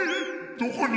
どこに？